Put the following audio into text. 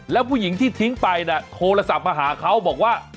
แล้วผู้หญิงที่ทิ้งไปนะโทรศัพท์มาหาเขาบอกว่า